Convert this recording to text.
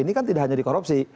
ini kan tidak hanya dikorupsi